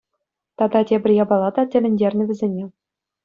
Тата тепӗр япала та тӗлӗнтернӗ вӗсене.